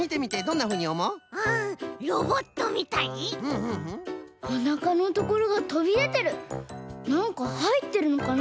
なんかはいってるのかな？